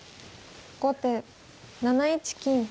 後手７一金。